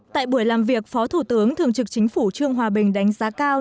tại buổi làm việc phó thủ tướng thường trực chính phủ trương hòa bình đánh giá cao